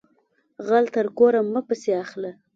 غل تر کوره مه پسی اخله